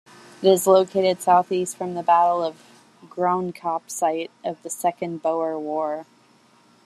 It is located southeast from the Battle of Groenkop-site of the Second Boer War.